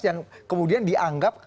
yang kemudian dianggap